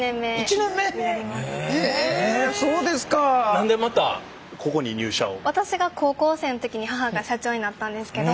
何でまたここに入社を？